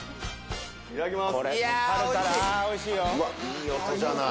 いただきます